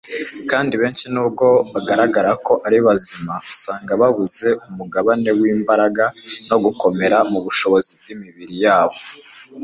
kandi benshi, nubwo bagaragara ko ari bazima, usanga babuze umugabane w'imbaraga no gukomera mu bushobozi bw'imibiri yabo